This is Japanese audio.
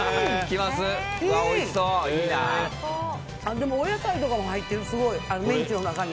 でも、お野菜とかも入ってるメンチの中に。